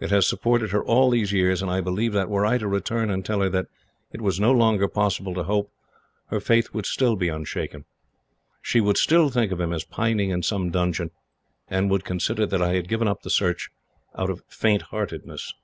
It has supported her all these years, and I believe that, were I to return and tell her that it was no longer possible to hope, her faith would still be unshaken. She would still think of him as pining in some dungeon, and would consider that I had given up the search from faint heartedness.